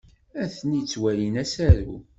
Atni ttwalin asaru.